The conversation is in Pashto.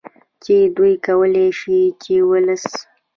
چې دوی کولې شي چې ولس